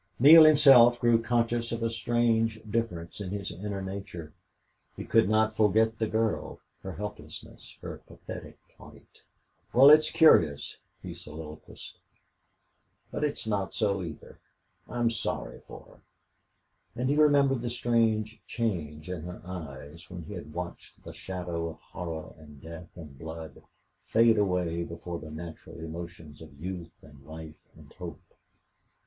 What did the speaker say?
Neale himself grew conscious of a strange difference in his inner nature; he could not forget the girl, her helplessness, her pathetic plight. "Well, it's curious," he soliloquized. "But it's not so, either. I'm sorry for her." And he remembered the strange change in her eyes when he had watched the shadow of horror and death and blood fade away before the natural emotions of youth and life and hope.